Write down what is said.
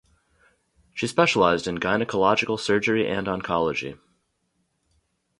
She specialised in gynaecological surgery and oncology.